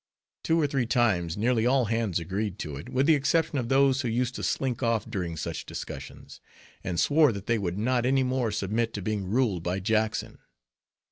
Two or three times nearly all hands agreed to it, with the exception of those who used to slink off during such discussions; and swore that they would not any more submit to being ruled by Jackson.